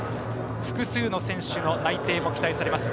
複数の選手の内定も期待されます。